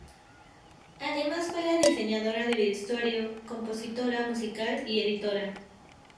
Además fue la diseñadora de vestuario, compositora musical y editora.